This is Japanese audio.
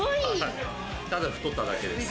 ただ太っただけです。